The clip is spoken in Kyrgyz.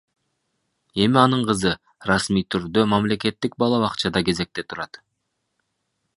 Эми анын кызы расмий түрдө мамлекеттик бала бакчада кезекте турат.